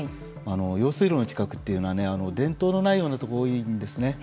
用水路の近くというのは電灯のないような所が多いんですね。